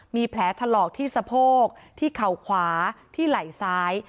มีแผลถลอกที่สะโพกที่เข่าขวาที่ไหล่ซ้าย